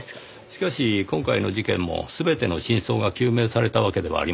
しかし今回の事件も全ての真相が究明されたわけではありませんねぇ。